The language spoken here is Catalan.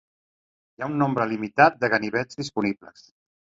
Hi ha un nombre limitat de ganivets disponibles.